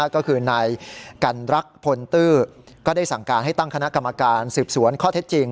ก็คือนายกันรักพลตื้อก็ได้สั่งการให้ตั้งคณะกรรมการสืบสวนข้อเท็จจริง